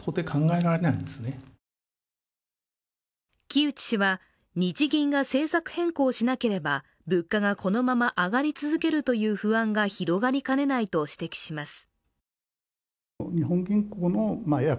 木内氏は日銀が政策変更をしなければ物価がこのまま上がり続けるという不安が広がりかねないと指摘します。